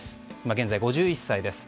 現在５１歳です。